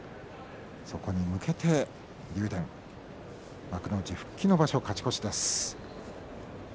そこに向けて竜電幕内復帰の場所、勝ち越しです。